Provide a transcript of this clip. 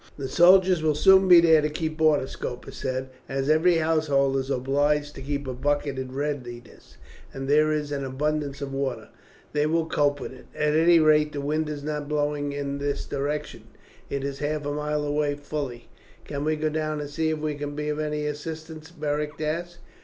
"The soldiers will soon be there to keep order," Scopus said. "As every household is obliged to keep a bucket in readiness, and there is an abundance of water; they will cope with it. At any rate the wind is not blowing in this direction. It is half a mile away fully." "Can we go down and see if we can be of any assistance?" Beric asked.